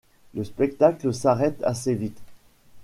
Le spectacle s'arrête assez vite.